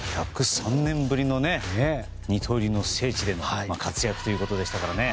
１０３年ぶりの二刀流の聖地での活躍ということでしたからね。